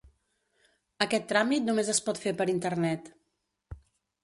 Aquest tràmit només es pot fer per internet.